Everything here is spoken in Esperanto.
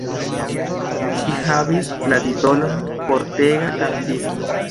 Ŝi havis la titolon "kortega kantisto".